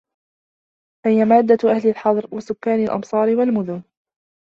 فَهِيَ مَادَّةُ أَهْلِ الْحَضَرِ وَسُكَّانِ الْأَمْصَارِ وَالْمُدُنِ